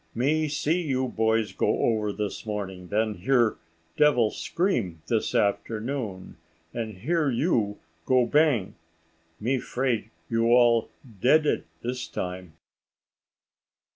"Me see you boys go over this morning, then hear devil scream this afternoon, and hear you go bang. Me 'fraid you all deaded this time."